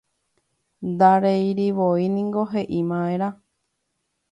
Ndareirivoíniko he'ímiva'erã